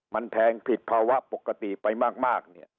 มันแพงผิดภาวะปกติไปมากเนี่ย